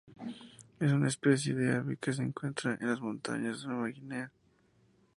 Es una especie de ave que se encuentra en las montañas de Nueva Guinea.